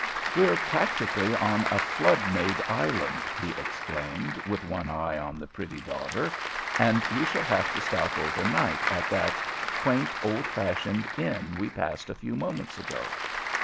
"We're practically on a flood made island," he exclaimed, with one eye on the pretty daughter, "and we shall have to stop over night at that quaint, old fashioned inn we passed a few moments ago."